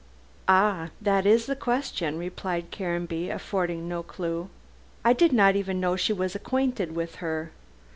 "Ah! that is the question," replied Caranby, affording no clue. "I did not even know she was acquainted with her."